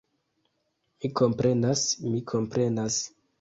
Mi komprenas, mi komprenas!